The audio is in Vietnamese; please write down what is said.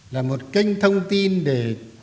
là một kênh thông tin để